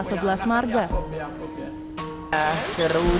namun kini marga zadok sudah punah dan tersisa